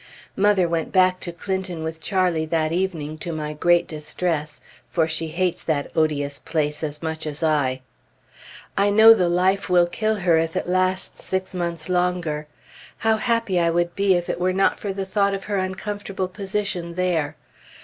Mother went back to Clinton with Charlie that evening, to my great distress; for she hates that odious place as much as I. I know the life will kill her if it lasts six months longer. How happy I would be, if it were not for the thought of her uncomfortable position there!